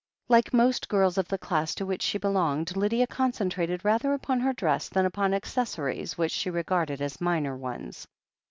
Like most girls of the class to which she belonged, Lydia concentrated rather upon her dress than upon accessories which she regarded as minor ones.